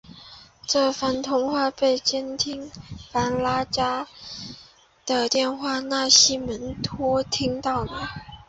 这番通话也被监听弗拉加电话的纳西门托听到了。